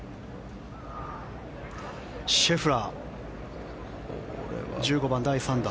シェフラー１５番、第３打。